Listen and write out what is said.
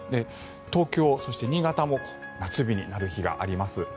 東京、そして新潟も夏日になる日があります。